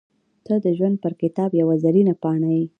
• ته د ژوند پر کتاب یوه زرینه پاڼه یې.